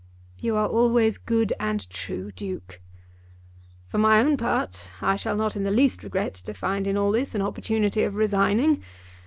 "You are always good and true, Duke." "For my own part I shall not in the least regret to find in all this an opportunity of resigning.